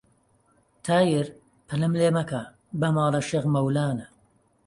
تایر پەلەم لێ مەکە بە ماڵە شێخ مەولانە